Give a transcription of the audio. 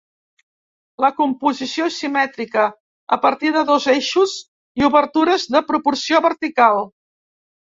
La composició és simètrica, a partir de dos eixos i obertures de proporció vertical.